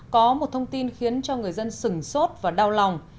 có một thông tin khiến cho người dân sừng sốt và đau lòng